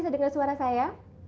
dengar suara saya